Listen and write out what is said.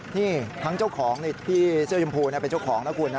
นี่ทั้งเจ้าของที่เสื้อชมพูเป็นเจ้าของนะคุณนะ